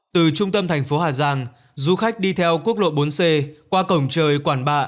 từ trung tâm thành phố hà giang du khách đi theo quốc lộ bốn c qua cổng trời quảng bà